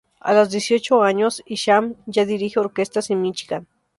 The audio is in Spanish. A los dieciocho años, Isham ya dirige orquestas en Míchigan.